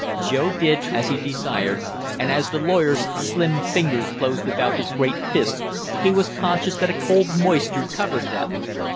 Joe did as he desired, and as the lawyer's slim fingers closed about his great fist he was conscious that a cold moisture covered them.